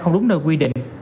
không đúng nơi quy định